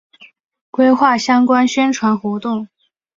规划相关宣传活动